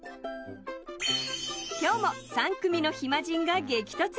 今日も３組の暇人が激突。